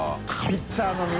ピッチャー飲み。